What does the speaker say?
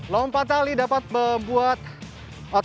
lompat tali dapat membuat karyo yang lebih berat